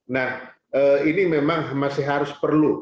nah ini memang masih harus perlu